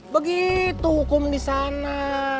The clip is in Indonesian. begitu kum di sana